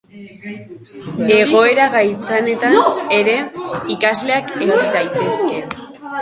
Egoera gaitzenetan ere ikasleak hezi daitezke.